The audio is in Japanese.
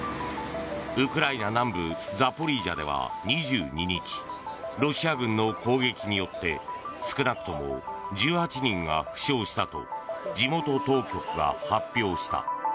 ウクライナ南部ザポリージャでは２２日ロシア軍の攻撃によって少なくとも１８人が負傷したと地元当局が発表した。